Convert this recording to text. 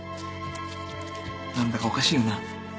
何だかおかしいよな。